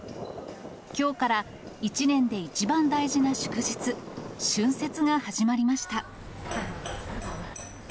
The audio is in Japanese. きょうから一年で一番大事な祝日、春節が始まりました。